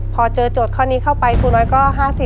พอเจอโจทย์ข้อนี้เข้าไปครูน้อยก็๕๐